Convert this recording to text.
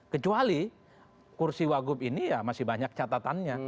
kecuali kursi wagub ini ya masih banyak catatannya